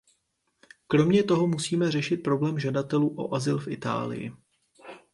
Kromě toho musíme řešit problém žadatelů o azyl v Itálii.